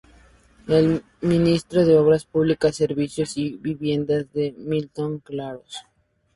El ministro de Obras Públicas, Servicios y Vivienda es Milton Claros.